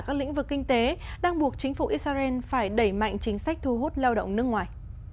các lĩnh vực kinh tế đang buộc chính phủ israel phải đẩy mạnh chính sách thu hút lao động nước ngoài